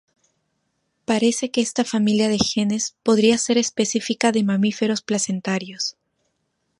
Parece que esta familia de genes podría ser específica de mamíferos placentarios.